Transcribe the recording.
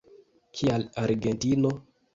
Kial Argentino?